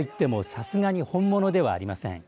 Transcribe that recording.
さすがに本物ではありません。